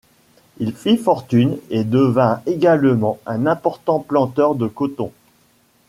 Il fit fortune et devint également un important planteur de coton.